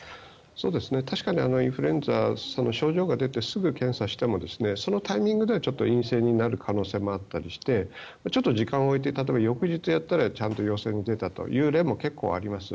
確かにインフルエンザ症状が出てすぐ検査をしてもそのタイミングではちょっと陰性になる可能性もあったりしてちょっと時間をおいて例えば翌日にやったらちゃんと陽性に出たという例も結構、あります。